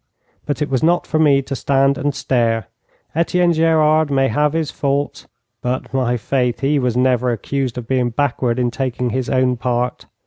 But it was not for me to stand and stare. Etienne Gerard may have his faults, but, my faith, he was never accused of being backward in taking his own part.